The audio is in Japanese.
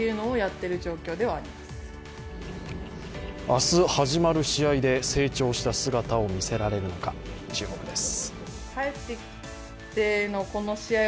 明日始まる試合で成長した姿を見せられるのか、注目です。